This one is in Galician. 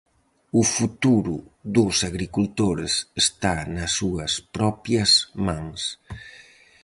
O futuro dos agricultores está nas súas propias mans.